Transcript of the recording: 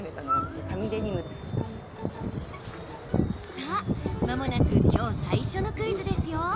さあ、まもなくきょう最初のクイズですよ。